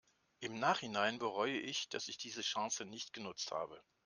Im Nachhinein bereue ich, dass ich diese Chance nicht genutzt habe.